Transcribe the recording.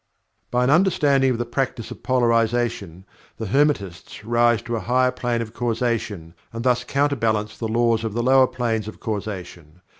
By an understanding of the practice of Polarization, the Hermetists rise to a higher plane of Causation and thus counter balance the laws of the lower planes of Causation.